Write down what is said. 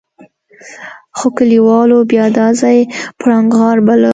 خو کليوالو بيا دا ځای پړانګ غار باله.